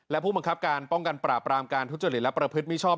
และผู้บังคับการป้องกันปราบรามการทุจริตและประพฤติมิชอบ